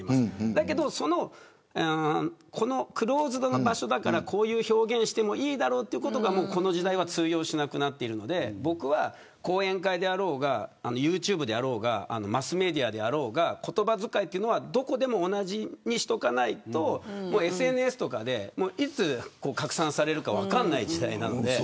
だけどこのクローズドな場所だからこういう表現をしてもいいだろうということがこの時代は通用しなくなっていて僕は講演会であろうがユーチューブであろうがマスメディアであろうが言葉遣いはどこでも同じにしておかないとＳＮＳとかでいつ拡散されるか分からない時代なので。